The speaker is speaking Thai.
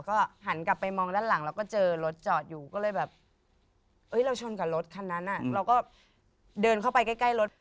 ก็หันกลับไปมองด้านหลังเราก็เจอรถจอดอยู่ก็เลยแบบเราชนกับรถคันนั้นเราก็เดินเข้าไปใกล้รถ